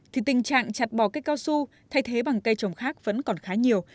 thì tình trạng chặt bỏ cây cao su thay thế bằng cây trồng khác vẫn còn khá nhiều